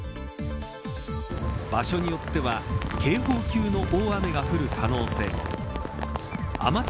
場所によっては警報級の大雨が降る可能性も天達